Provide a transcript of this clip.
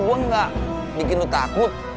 gue gak bikin lo takut